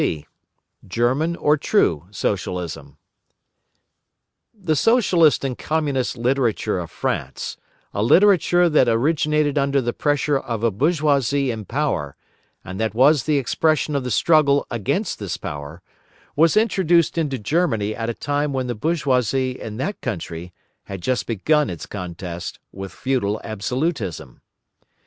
C. German, or "True," Socialism The Socialist and Communist literature of France, a literature that originated under the pressure of a bourgeoisie in power, and that was the expression of the struggle against this power, was introduced into Germany at a time when the bourgeoisie, in that country, had just begun its contest with feudal absolutism.